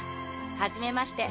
はじめまして。